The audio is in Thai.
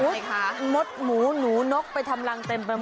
ไหมคะมดหมูหนูนกไปทำรังเต็มไปหมด